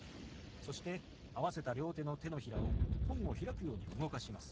そして合わせた両手の手のひらを本を開くように動かします。